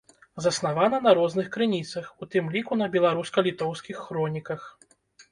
Заснавана на розных крыніцах, у тым ліку на беларуска-літоўскіх хроніках.